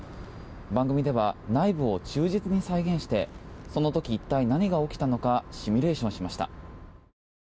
番組では内部を忠実に再現してその時、一体何が起きたのかシミュレーションしました。